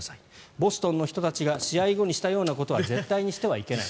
ボストンの人たちが試合後にしたようなことは絶対にしてはいけない。